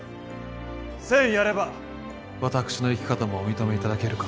１，０００やれば私の生き方もお認め頂けるか。